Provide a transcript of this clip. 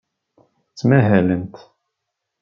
Ttmahalent.